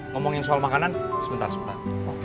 ngomongin soal makanan sebentar sebentar